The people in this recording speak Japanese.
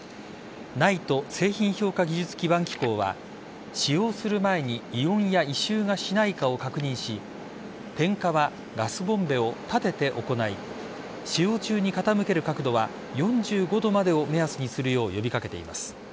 ＮＩＴＥ＝製品評価技術基盤機構は使用する前に異音や異臭がしないかを確認し点火はガスボンベを立てて行い使用中に傾ける角度は４５度までを目安にするよう呼び掛けています。